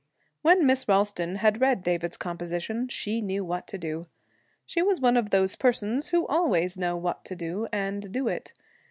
When Miss Ralston had read David's composition, she knew what to do. She was one of those persons who always know what to do, and do it.